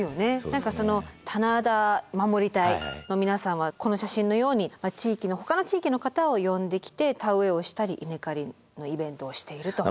何かその棚田まもり隊の皆さんはこの写真のようにほかの地域の方を呼んできて田植えをしたり稲刈りのイベントをしていると。